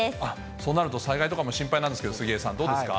そうなると、災害とかも心配なんですけど、杉江さん、どうですか。